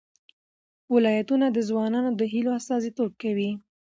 ولایتونه د ځوانانو د هیلو استازیتوب کوي.